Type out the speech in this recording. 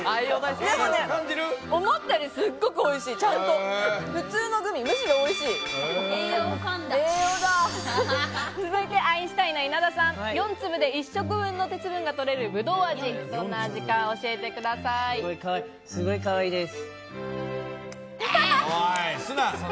思ったよりすごくおいしい、ちゃんと普通のグミ、むしろおい続いてアインシュタインの稲田さん、４粒で１食分の鉄分が取れるブドウ味、どんな味か教えてすごいかわいいです。